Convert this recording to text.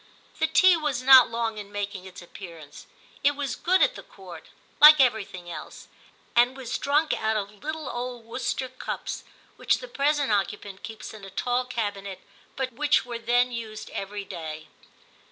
* The tea was not long in making its appearance ; it was good at the Court, like everything else, and was drunk out of little old Worcester cups, which the present 174 TIM CHAP. occupant keeps in a tall cabinet, but which were then used every day.